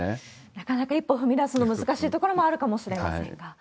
なかなか一歩踏み出すの、難しいところもあるかもしれませんが。